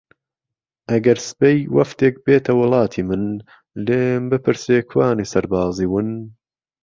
ئەگەر سبەی وەفدێک بێتە وڵاتی من لێم بپرسێ کوانێ سەربازی ون